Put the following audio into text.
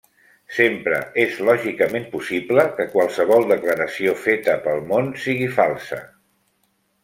Sempre és lògicament possible que qualsevol declaració feta pel món sigui falsa.